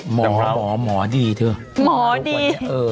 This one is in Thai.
หมอแบบหมอดีเถอะหมอดี